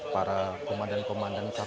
para komandan komandan berkata